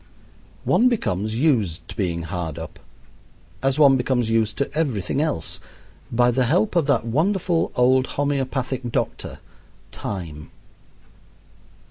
One becomes used to being hard up, as one becomes used to everything else, by the help of that wonderful old homeopathic doctor, Time.